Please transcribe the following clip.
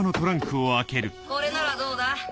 これならどうだ？